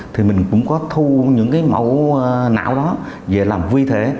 thì mình cũng có thu những cái mẫu não đó về làm vi thể